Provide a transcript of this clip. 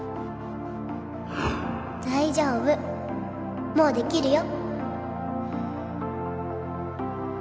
大丈夫もうできるよ。